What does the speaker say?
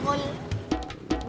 lagi olahraga pak